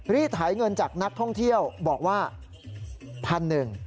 รีดหายเงินจากนักท่องเที่ยวบอกว่า๑๑๐๐บาท